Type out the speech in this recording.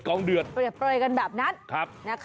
เปรียบเปรย์กันแบบนั้น